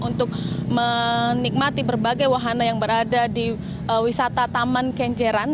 untuk menikmati berbagai wahana yang berada di wisata taman kenjeran